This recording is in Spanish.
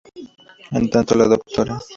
En tanto, la Dra.